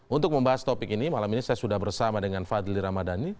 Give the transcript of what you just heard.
untuk membahas topik ini malam ini saya sudah bersama dengan fadli ramadhani